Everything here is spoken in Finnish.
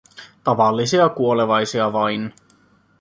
Tavallisia kuolevaisia vain.